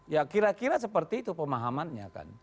ya kira kira seperti itu pemahamannya kan